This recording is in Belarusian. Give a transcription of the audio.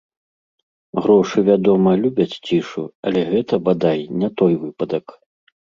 Грошы, вядома, любяць цішу, але гэта, бадай, не той выпадак.